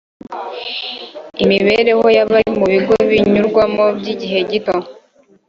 Imibereho y abari mu bigo binyurwamo by igihe gito